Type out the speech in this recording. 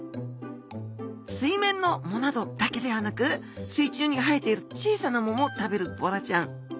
水面の藻などだけではなく水中にはえている小さな藻も食べるボラちゃん。